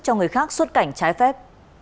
cho người khác xuất cảnh trái phép